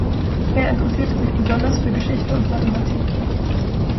Er interessierte sich besonders für Geschichte und Mathematik.